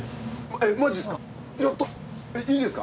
えっマジすか？